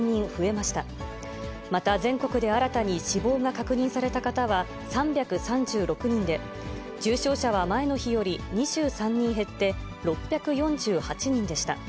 また、全国で新たに死亡が確認された方は、３３６人で、重症者は前の日より２３人減って６４８人でした。